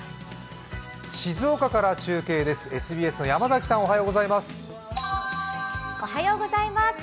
静岡から中継です、ＳＢＳの山崎さん、おはようございます。